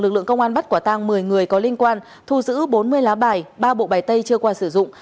lực lượng công an bắt quả tang một mươi người có liên quan thu giữ bốn mươi lá bài ba bộ bài tay chưa qua sử dụng